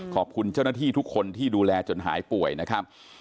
ขอบคุณเจ้าหน้าที่ทุกคนที่ดูแลจนหายป่วยนะครับ